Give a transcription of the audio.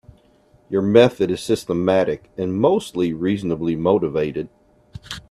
Your method is systematic and mostly reasonably motivated.